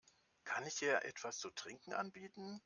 Kann ich dir etwas zu trinken anbieten?